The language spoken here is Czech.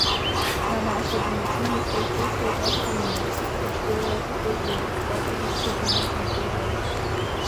Na následujícím mistrovství světa v Římě o čtyři roky později v této disciplíně zvítězil.